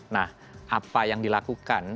nah apa yang dilakukan